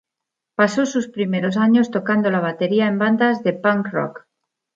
Pasó sus primeros años tocando la batería en bandas de punk-rock.